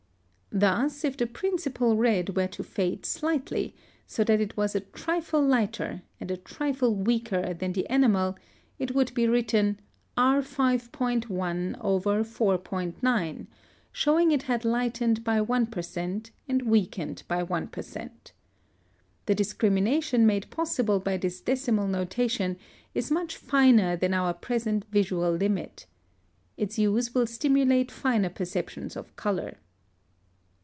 Thus, if the principal red were to fade slightly, so that it was a trifle lighter and a trifle weaker than the enamel, it would be written R{5.1/4.9}, showing it had lightened by 1 per cent. and weakened by 1 per cent. The discrimination made possible by this decimal notation is much finer than our present visual limit. Its use will stimulate finer perception of color.